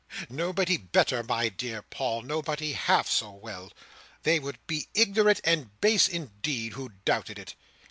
"Nobody better, my dear Paul. Nobody half so well. They would be ignorant and base indeed who doubted it."